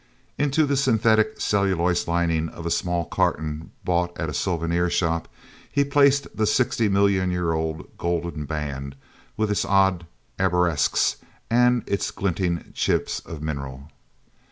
Into the synthetic cellulose lining of a small carton bought at a souvenir shop, he placed the sixty million year old golden band with its odd arabesques and its glinting chips of mineral.